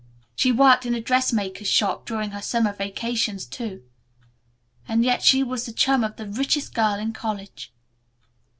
She worked in a dressmaker's shop during her summer vacations too, and yet she was the chum of the richest girl in college."